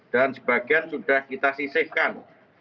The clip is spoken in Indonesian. dan sebagian sudah kita sisihkan